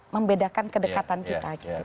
membedakan kedekatan kita